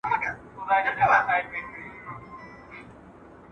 کابینه ډیپلوماټیکي اړیکي نه پري کوي.